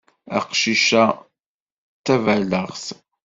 Aqcic-a d taballaɣt.